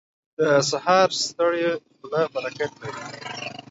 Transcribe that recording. • د سهار ستړې خوله برکت لري.